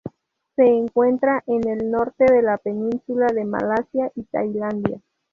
Se encuentra en el norte de la Península de Malasia y Tailandia.